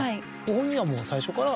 ご本人はもう最初から。